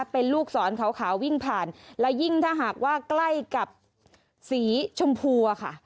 เป็นลูกศรขาววิ่งผ่านและยิ่งถ้าหากว่าใกล้กับสีชมพูอะค่ะ